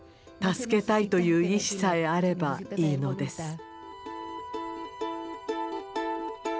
助けたいという意志さえあればいいのです。